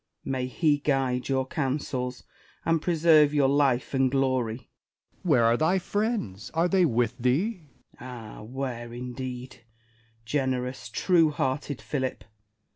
May He guide your counsels, and preserve your life and glory ! Essex. Where are thy friends % Are they with thee ? Spenser. Ah, where, indeed ! Generous, true hearted Philip